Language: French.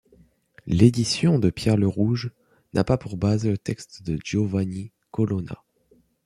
L'édition de Pierre Le Rouge n'a pas pour base le texte de Giovanni Colonna.